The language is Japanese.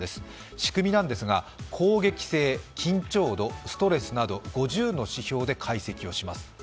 仕組みなんですが攻撃性、緊張度、ストレスなど５０の指標で解析します。